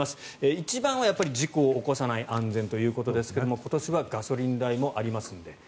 一番は事故を起こさない安全ということですが今年はガソリン代もありますので。